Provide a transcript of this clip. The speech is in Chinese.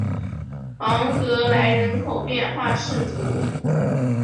昂格莱人口变化图示